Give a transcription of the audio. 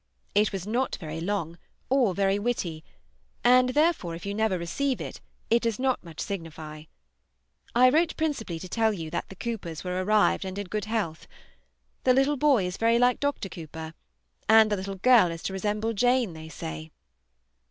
It was not very long or very witty, and therefore if you never receive it, it does not much signify. I wrote principally to tell you that the Coopers were arrived and in good health. The little boy is very like Dr. Cooper, and the little girl is to resemble Jane, they say.